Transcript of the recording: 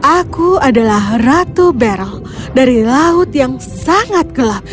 aku adalah ratu berll dari laut yang sangat gelap